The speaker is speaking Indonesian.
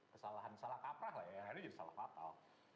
kesalahan salah kaprah lah ya yang akhirnya jadi salah fatal